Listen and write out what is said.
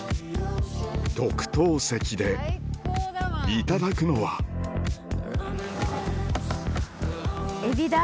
特等席でいただくのはエビだ！